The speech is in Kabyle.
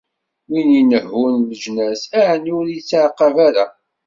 Win inehhun leǧnas, ɛni ur ittɛaqab ara.